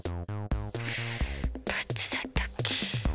どっちだったっけ。